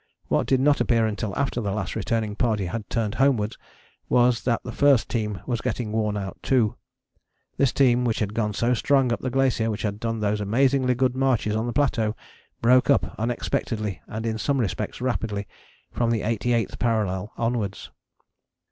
What did not appear until after the Last Returning Party had turned homewards was that the first team was getting worn out too. This team which had gone so strong up the glacier, which had done those amazingly good marches on the plateau, broke up unexpectedly and in some respects rapidly from the 88th parallel onwards.